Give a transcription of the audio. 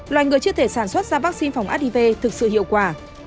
loài ngừa chưa thể sản xuất ra vaccine phòng adive thực sự hiệu quả